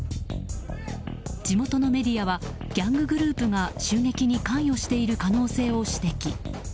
地元メディアはギャンググループが襲撃に関与している可能性を指摘。